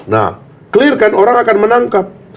nah clear kan orang akan menangkap